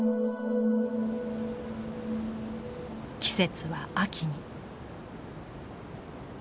季節は秋に。